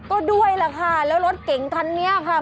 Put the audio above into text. ก็ด้วยแหละค่ะแล้วรถเก๋งคันนี้ค่ะ